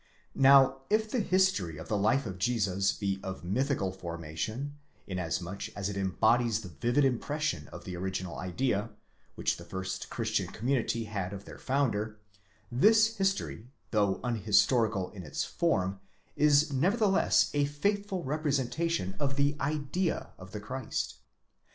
Now, if the history of the life of Jesus be of mythical formation, inasmuch as it embodies the vivid impression of the original idea which the first christian community had of their founder, this history, though unhistorical in its form, is nevertheless a faithful represen tation of the idea of the Christ.